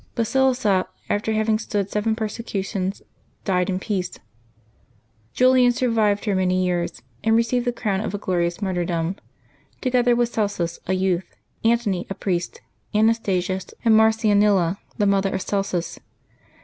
Basilissa, after having stood seven persecutions, died in peace; Julian survived her many years and re ceived the crown of a glorious martyrdom, together with Celsus, a youth, Antony, a priest, Anastasius, and Mar cianilla, the mother of Celsus.